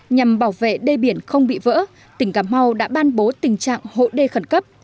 nhằm bảo vệ đê biển không bị vỡ tỉnh cà mau đã ban bố tình trạng hộ đê khẩn cấp